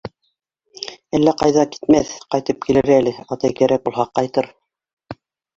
Әллә ҡайҙа китмәҫ, ҡайтып килер әле, атай кәрәк булһа, ҡайтыр.